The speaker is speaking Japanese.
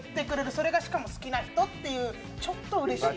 それがしかも好きな人っていうちょっとうれしい。